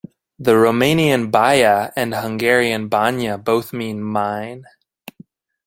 The Romanian "baia" and Hungarian "banya" both mean "mine".